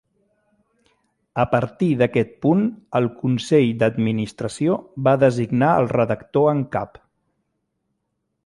A partir d'aquest punt, el consell d'administració va designar el redactor en cap.